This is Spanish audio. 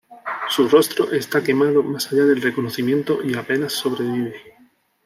Su rostro está quemado más allá del reconocimiento, y apenas sobrevive.